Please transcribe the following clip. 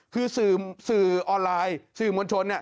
คือสื่อออนไลน์สื่อมวลชน